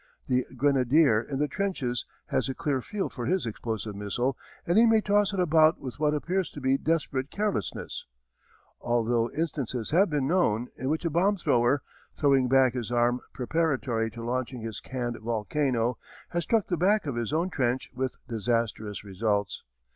The grenadier in the trenches has a clear field for his explosive missile and he may toss it about with what appears to be desperate carelessness though instances have been known in which a bomb thrower, throwing back his arm preparatory to launching his canned volcano, has struck the back of his own trench with disastrous results.